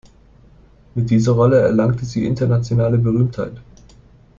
Mit dieser Rolle erlangte sie internationale Berühmtheit.